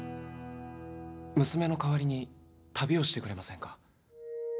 娘の代わりに旅をしてくれませんか？